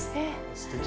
すてき。